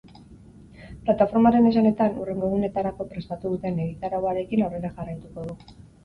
Plataformaren esanetan, hurrengo egunetarako prestatu duen egitarauarekin aurrera jarraituko du.